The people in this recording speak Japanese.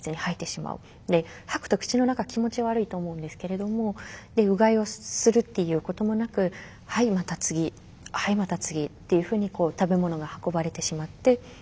吐くと口の中気持ち悪いと思うんですけれどもうがいをするっていうこともなくはいまた次はいまた次っていうふうに食べ物が運ばれてしまって。